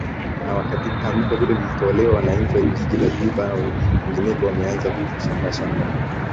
na wakati tamko hilo likitolewa wananchi wa jijinj juba na kwingineko wameanza shamrashamra